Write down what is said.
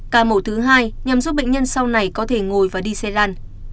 ca mổ thứ hai nhằm giúp bệnh nhân sau này có thể ngồi và đi xe lan